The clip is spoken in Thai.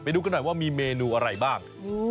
ดูกันหน่อยว่ามีเมนูอะไรบ้าง